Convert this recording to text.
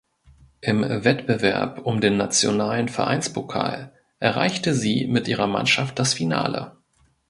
Im Wettbewerb um den nationalen Vereinspokal erreichte sie mit ihrer Mannschaft das Finale.